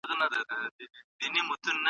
سانسور سوي کتابونه له بازار څخه ټول کړای شول.